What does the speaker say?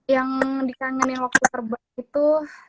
yang dikangenin waktu terbang itu